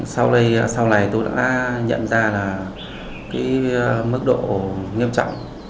sau này tôi đã nhận ra là cái mức độ nghiêm trọng